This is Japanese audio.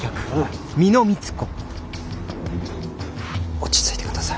落ち着いて下さい。